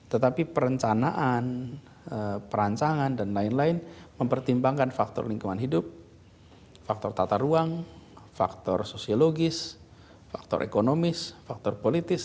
tetapi perencanaan perancangan dan lain lain mempertimbangkan faktor lingkungan hidup faktor tata ruang faktor sosiologis faktor ekonomis faktor politis